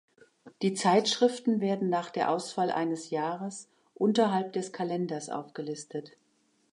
Die Zeitschriften werden nach der Auswahl eines Jahres unterhalb des Kalenders aufgelistet.